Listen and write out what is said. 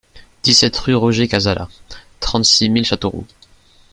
dix-sept rue Roger Cazala, trente-six mille Châteauroux